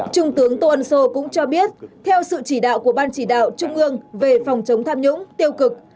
trung tướng tô ân sô cũng cho biết theo sự chỉ đạo của ban chỉ đạo trung ương về phòng chống tham nhũng tiêu cực